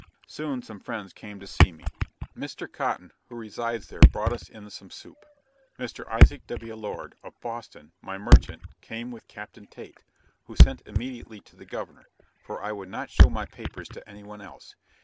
Soon some friends came to see me. Mr. Cotton, who resides there brought us in some soup. Mr. Isaac W. Lord, of Boston, my merchant, came with Captain Tate, who sent immediately to the governor; for I would not show my papers to any one else.